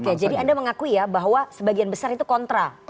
oke jadi anda mengakui ya bahwa sebagian besar itu kontra